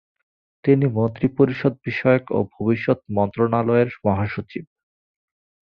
তিনি মন্ত্রিপরিষদ বিষয়ক ও ভবিষ্যত মন্ত্রণালয়ের মহাসচিব।